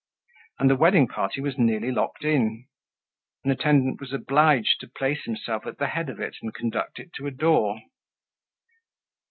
And the wedding party was nearly locked in. An attendant was obliged to place himself at the head of it, and conduct it to a door.